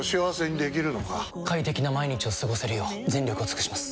快適な毎日を過ごせるよう全力を尽くします！